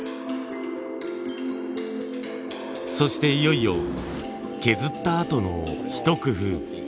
そしていよいよ削ったあとのひと工夫。